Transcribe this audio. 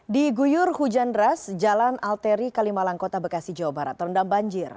di guyur hujan deras jalan alteri kalimalang kota bekasi jawa barat terendam banjir